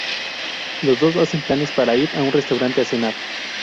Los dos hacen planes para ir a un restaurante a cenar.